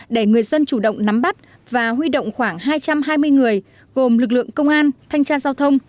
để người dân chủ động nắm bắt và huy động khoảng hai trăm hai mươi người gồm lực lượng công an thanh tra giao thông